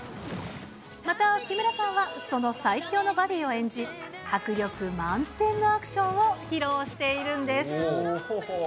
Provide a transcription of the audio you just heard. また木村さんは、その最強のバディを演じ、迫力満点のアクションを披露しているんです。